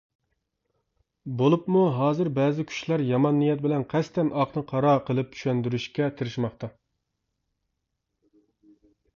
بولۇپمۇ ھازىر بەزى كۈچلەر يامان نىيەت بىلەن قەستەن ئاقنى قارا قىلىپ چۈشەندۈرۈشكە تىرىشماقتا.